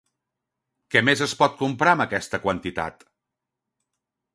Què més es pot comprar amb aquesta quantitat?